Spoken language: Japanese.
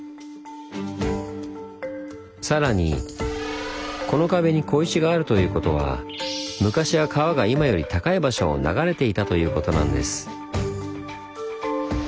さらにこの壁に小石があるということは昔は川が今より高い場所を流れていたということなんです。